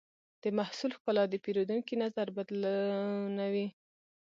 د محصول ښکلا د پیرودونکي نظر بدلونوي.